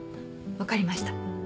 分かりました。